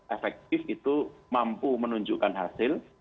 efektif itu mampu menunjukkan hasil